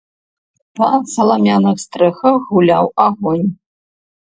Па саламяных стрэхах гуляў агонь.